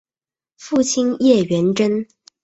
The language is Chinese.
父亲叶原贞。